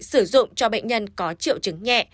sử dụng cho bệnh nhân có triệu chứng nhẹ